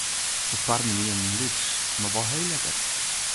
De parren wienen lyts mar wol heel lekker.